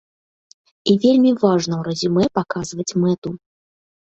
І вельмі важна ў рэзюмэ паказваць мэту.